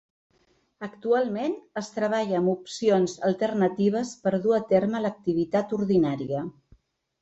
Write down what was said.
Actualment es treballa amb opcions alternatives per dur a terme l’activitat ordinària.